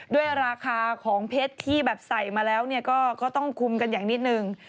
ด้วยราคาของเพชรที่แบบใส่มาแล้วก็ต้องคุมกันอย่างนิดนึง